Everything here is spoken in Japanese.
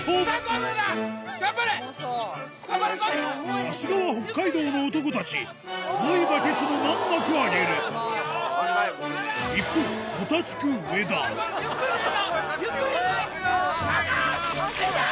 さすがは北海道の男たち重いバケツも難なく上げる一方ゆっくりでええよ！